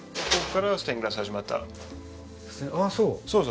ああそう。